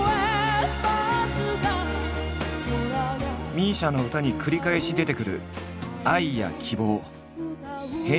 ＭＩＳＩＡの歌に繰り返し出てくる愛や希望平和のテーマ。